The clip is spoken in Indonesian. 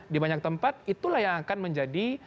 di banyak tempat itulah yang akan menjadi